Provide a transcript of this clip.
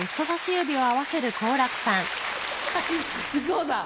はい木久扇さん。